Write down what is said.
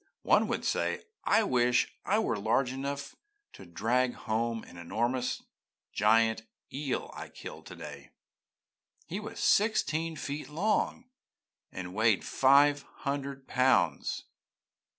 One would say 'I wish I were large enough to drag home the enormous giant eel I killed today. He was sixteen feet long, and weighed five hundred pounds.'